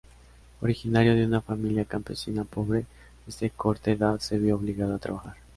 Originario de una familia campesina pobre, desde corta edad se vio obligado a trabajar.